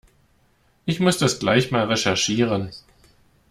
Ich muss das gleich mal recherchieren.